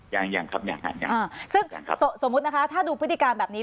ยังครับอย่างนั้นซึ่งสมมุตินะคะถ้าดูพฤติการแบบนี้